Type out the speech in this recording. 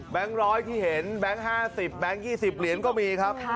แบงค์ร้อยที่เห็นแบงค์๕๐แบงค์๒๐เหรียญก็มีครับ